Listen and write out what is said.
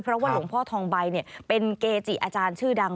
เพราะว่าหลวงพ่อทองใบเป็นเกจิอาจารย์ชื่อดัง